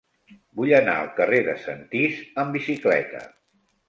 Vull anar al carrer de Sentís amb bicicleta.